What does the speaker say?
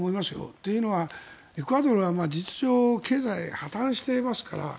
というのは、エクアドルは事実上経済破たんしていますから。